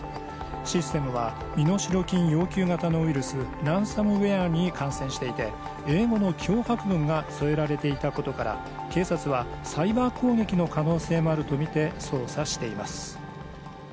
システムは身代金要求型のウイルス、ランサムウエアに感染していて英語の脅迫文が添えられていたことから、警察はサイバー攻撃の可能性もあるとみて捜査しています。